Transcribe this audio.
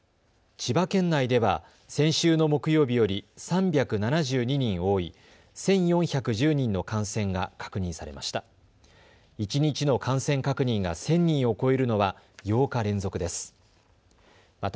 千葉県内では先週の木曜日より３７２人多い１４１０人の感染が確認されました。